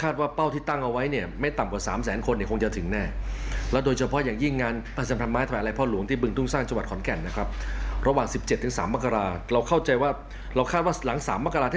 เดี๋ยวไปฟังผู้จัดงานกันค่ะ